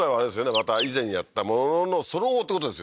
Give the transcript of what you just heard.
また以前にやったもののその後ってことですよね